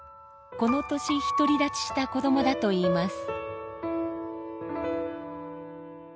この年独り立ちした子どもだといいます。